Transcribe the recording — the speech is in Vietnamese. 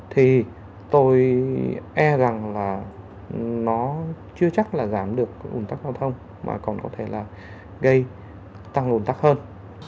thì tôi e rằng là nó chưa chắc là giảm được ủn tắc giao thông mà còn có thể là gây tăng ồn tắc hơn